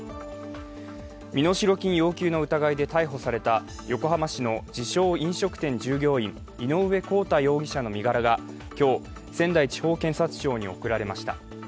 身代金要求の疑いで逮捕された横浜市の自称・飲食店従業員、井上洸太容疑者の身柄が今日、仙台地方検察庁に送られました。